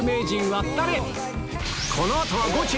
この後はゴチ！